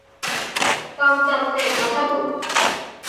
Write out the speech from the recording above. กำจัดเศษวัสดุ